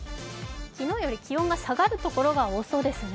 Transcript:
昨日より気温が下がる所が多そうですね。